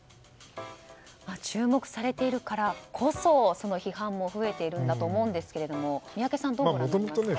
注目されているからこそその批判も増えているんだと思うんですけれども宮家さんどうご覧になりますか？